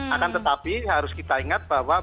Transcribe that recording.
akan tetapi harus kita ingat bahwa